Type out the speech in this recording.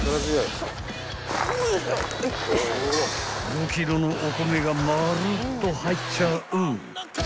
［５ｋｇのお米がまるっと入っちゃう］